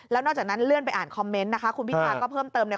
แล้วนอกจากนั้นเลื่อนไปอ่านคอมเมนต์นะคะคุณพิธาก็เพิ่มเติมเนี่ย